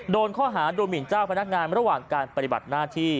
โดนข้อหาดูหมินเจ้าพนักงานระหว่างการปฏิบัติหน้าที่